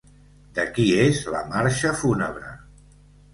De qui és la marxa fúnebre?